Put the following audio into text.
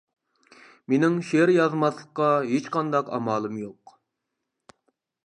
مېنىڭ شېئىر يازماسلىققا ھېچقانداق ئامالىم يوق.